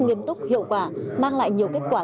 nghiêm túc hiệu quả mang lại nhiều kết quả